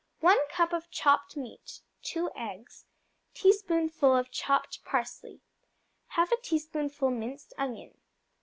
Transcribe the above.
1 cup of chopped meat. 2 eggs. Teaspoonful of chopped parsley. Half a teaspoonful minced onion.